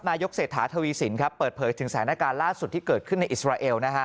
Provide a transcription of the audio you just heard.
นายกเศรษฐาทวีสินครับเปิดเผยถึงสถานการณ์ล่าสุดที่เกิดขึ้นในอิสราเอลนะฮะ